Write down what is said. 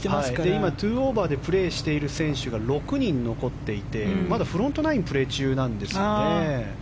今、２オーバーでプレーしている選手が６人残っていましてまだフロントナインプレー中なんですよね。